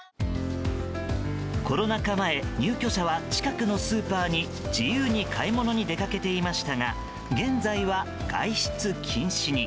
コロナ禍前入居者は近くのスーパーに自由に買い物に出かけていましたが現在は外出禁止に。